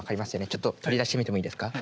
ちょっと取り出してみてもいいですか。